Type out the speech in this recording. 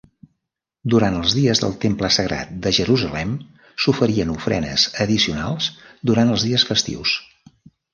Durant els dies del temple sagrat de Jerusalem, s'oferien ofrenes addicionals durant els dies festius.